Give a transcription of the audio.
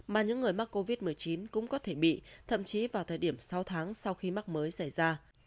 mà những người mắc covid một mươi chín cũng có thể bị thậm chí vào thời điểm sáu tháng sau khi mắc mới xảy ra